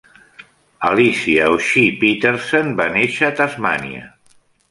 Alicia O'Shea Petersen va néixer a Tasmània.